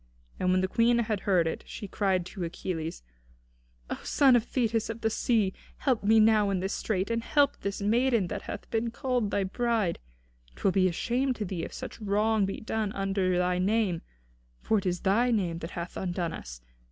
And when the Queen had heard it, she cried to Achilles: "O son of Thetis of the sea! help me now in this strait, and help this maiden that hath been called thy bride! 'Twill be a shame to thee if such wrong be done under thy name; for it is thy name that hath undone us.